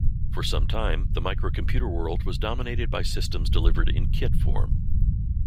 For some time the microcomputer world was dominated by systems delivered in kit form.